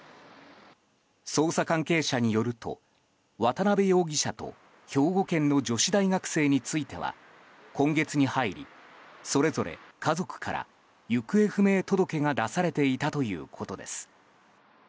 捜査関係者によると渡邉容疑者と兵庫県の女子大学生については今月に入り、それぞれ家族から行方不明届が出されていたということです。